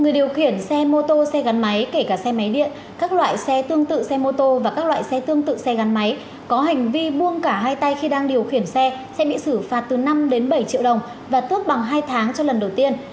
người điều khiển xe mô tô xe gắn máy kể cả xe máy điện các loại xe tương tự xe mô tô và các loại xe tương tự xe gắn máy có hành vi buông cả hai tay khi đang điều khiển xe sẽ bị xử phạt từ năm đến bảy triệu đồng và tước bằng hai tháng cho lần đầu tiên